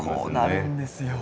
こうなるんですよ。